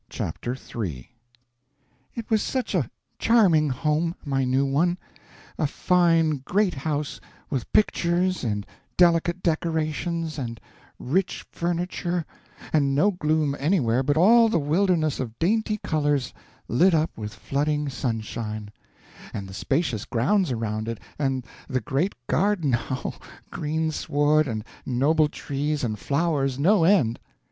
No. CHAPTER III It was such a charming home! my new one; a fine great house, with pictures, and delicate decorations, and rich furniture, and no gloom anywhere, but all the wilderness of dainty colors lit up with flooding sunshine; and the spacious grounds around it, and the great garden oh, greensward, and noble trees, and flowers, no end!